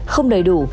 không đầy đủ